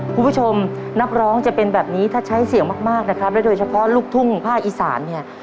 นักร้องจะเป็นแบบนี้ถ้าใช้เสียงมากมากนะครับและโดยเฉพาะลูกทุ่งภาคอีสานเนี่ย